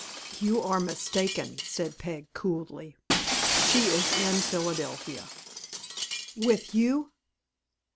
"You are mistaken," said Peg, coolly. "She is in Philadelphia." "With you?"